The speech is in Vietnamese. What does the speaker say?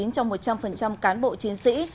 trong một trăm linh cán bộ chiến sĩ